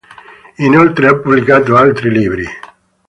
Inoltre ha pubblicato altri libri.